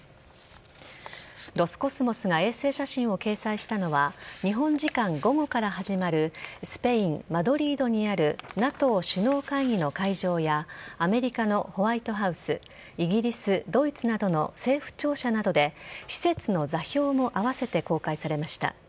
ロスコスモスが衛星写真を掲載したのは日本時間午後から始まるスペイン・マドリードにあるＮＡＴＯ首脳会議の会場やアメリカのホワイトハウスイギリス、ドイツなどの政府庁舎などで施設の座標も併せて公開されました。